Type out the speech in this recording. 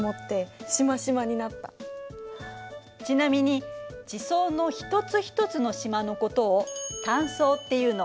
ちなみに地層の一つ一つのしまのことを単層っていうの。